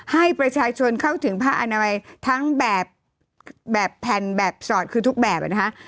ให้ประชาชนเข้าถึงผ้าอนามัยทั้งแบบแผ่นแบบสอดคือทุกแบบนะคะ